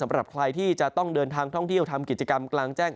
สำหรับใครที่จะต้องเดินทางท่องเที่ยวทำกิจกรรมกลางแจ้ง